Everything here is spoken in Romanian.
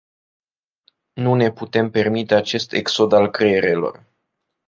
Nu ne putem permite acest exod al creierelor.